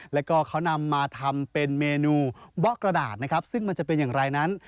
แล้วก็เขานำมาทำเป็นเมนูเบาะกระดาษนะครับซึ่งมันจะเป็นอย่างไรนั้น